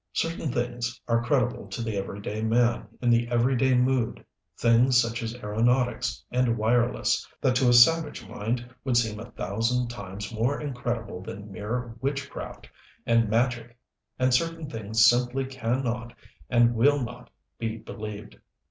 Certain things are credible to the every day man in the every day mood things such as aeronautics and wireless, that to a savage mind would seem a thousand times more incredible than mere witchcraft and magic and certain things simply can not and will not be believed.